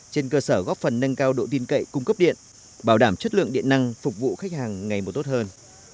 trên cơ sở góp phần nâng cao độ tin cậy cung cấp điện bảo đảm chất lượng điện năng phục vụ khách hàng ngày một tốt hơn